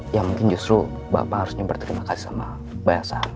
ya mungkin justru bapak harusnya berterima kasih sama mbak elsa